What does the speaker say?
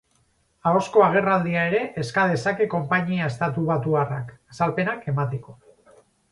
Ahozko agerraldia ere eska dezake konpainia estatubatuarrak, azalpenak emateko.